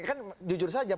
kan jujur saja